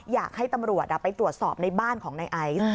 อยากให้ตำรวจไปตรวจสอบในบ้านของในไอซ์